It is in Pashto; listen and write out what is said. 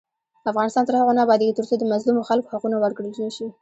افغانستان تر هغو نه ابادیږي، ترڅو د مظلومو خلکو حقونه ورکړل نشي.